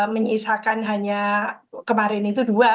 menyisakan hanya kemarin itu dua